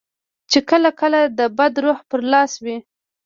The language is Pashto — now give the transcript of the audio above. چې کله کله د بد روح پر لاس وي.